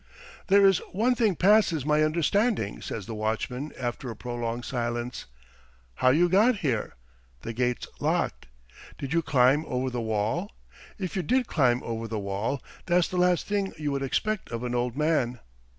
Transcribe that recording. "There is one thing passes my understanding," says the watchman after a prolonged silence "how you got here. The gate's locked. Did you climb over the wall? If you did climb over the wall, that's the last thing you would expect of an old man."